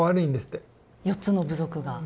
４つの部族が。